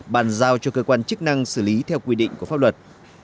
bàn giao cho cơ quan chức năng xử lý theo quy định của pháp luật